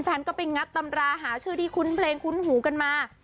แฟนก็ไปงัดตำราหาชื่อที่คุ้นเพลงคุ้นหูกันมา